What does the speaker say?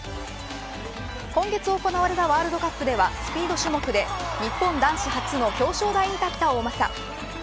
今月行われたワールドカップではスピード種目で日本男子初の表彰台に立った大政。